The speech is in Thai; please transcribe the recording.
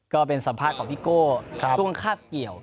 ก็เป็นสัมภาษณ์ของพี่โก้ช่วงคาบเกี่ยว